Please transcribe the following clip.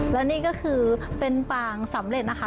และนี่ก็คือเป็นปางสำเร็จนะคะ